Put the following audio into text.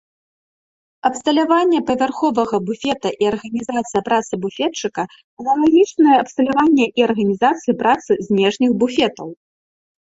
Абсталяванне павярховага буфета і арганізацыя працы буфетчыка аналагічныя абсталявання і арганізацыі працы знешніх буфетаў.